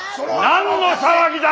何の騒ぎだ！